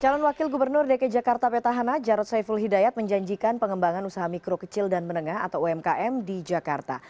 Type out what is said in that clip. calon wakil gubernur dki jakarta petahana jarod saiful hidayat menjanjikan pengembangan usaha mikro kecil dan menengah atau umkm di jakarta